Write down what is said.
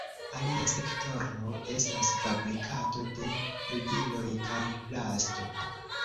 Alia sektoro estas fabrikado de ludiloj kaj plasto.